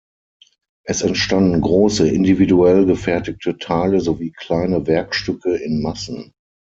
Es entstanden große, individuell gefertigte Teile sowie kleine Werkstücke in Massen.